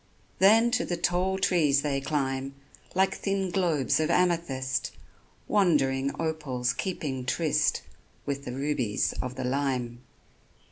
Then to the tall trees they climb, Like thin globes of amethyst, Wandering opals keeping tryst With the rubies of the lime.